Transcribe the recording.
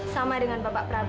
sama dengan bapak prabu